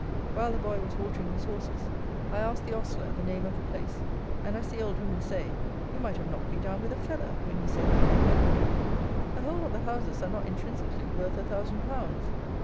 While the boy was watering his horses, I asked the ostler the name of the place; and, as the old women say, "you might have knocked me down with a feather," when he said, "Great Bedwin." The whole of the houses are not intrinsically worth a thousand pounds.